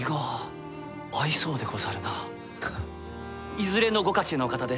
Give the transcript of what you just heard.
いずれのご家中のお方で？